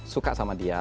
suka sama dia